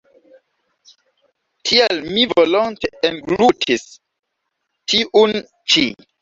Tial mi volonte englutis tiun ĉi.